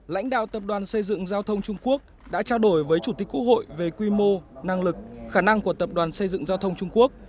lãnh đạo tập đoàn xây dựng giao thông trung quốc đã trao đổi với chủ tịch quốc hội về quy mô năng lực khả năng của tập đoàn xây dựng giao thông trung quốc